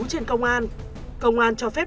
trên công an công an cho phép